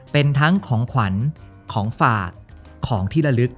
เป็นทั้งของขวัญของฝากของที่ละลึก